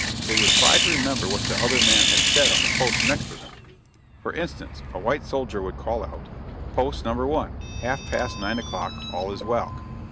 They would try to remember what the other man had said on the post next to them. For instance, a white soldier would call out: "Post No. I, half past nine o'clock, all is well!"